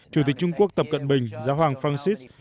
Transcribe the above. chủ tịch trung quốc tập cận bình giá hoàng francis